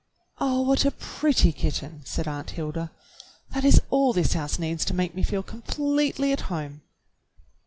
"Oh, what a pretty kitten!" said Aunt Hilda. "That is all this house needs to make me feel com pletely at home."